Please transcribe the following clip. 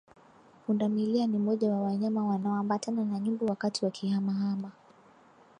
Pundamilia ni moja wa wanyama wanaoambatana na nyumbu wakati wakihama hama